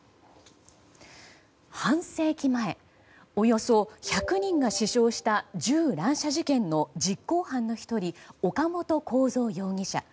半世紀前、およそ１００人が死傷した銃乱射事件の実行犯の１人岡本公三容疑者。